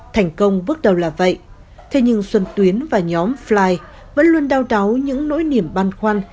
thành công bước đầu là vậy thế nhưng xuân tuyến và nhóm fly vẫn luôn đau đáu những nỗi niềm băn khoăn